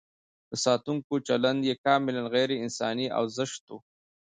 د ساتونکو چلند یې کاملاً غیر انساني او زشت و.